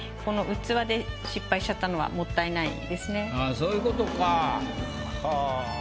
そういうことか。はあ。